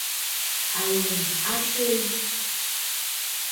Àlə̀m a syə yi.